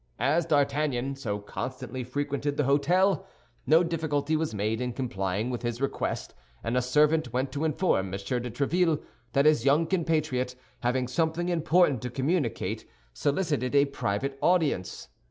As D'Artagnan so constantly frequented the hôtel, no difficulty was made in complying with his request, and a servant went to inform M. de Tréville that his young compatriot, having something important to communicate, solicited a private audience.